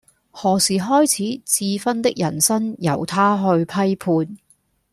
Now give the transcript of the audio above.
何時開始智勳的人生由他去批判